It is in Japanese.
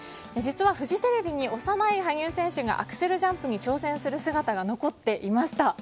実はフジテレビに幼い羽生選手がアクセルジャンプに挑戦する姿が残っていました。